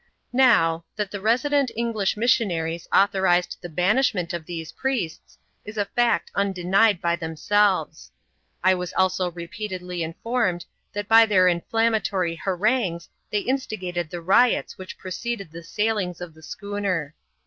Now, that the resident English missionaries authorised the banishment of these priests, is a fact undenied by themselves. I was also repeatedly informed, that by their inflammatory harangues they instigated the riots which preceded the sailing of the schooner.